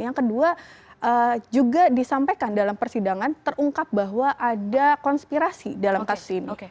yang kedua juga disampaikan dalam persidangan terungkap bahwa ada konspirasi dalam kasus ini